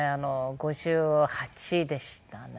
５８でしたね。